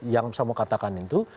yang saya mau katakan itu